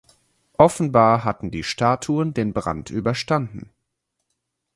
Offenbar hatten die Statuen den Brand überstanden.